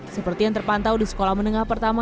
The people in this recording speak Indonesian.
seperti yang terpantau di sekolah menengah pertama